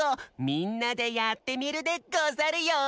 みんなでやってみるでござるよ！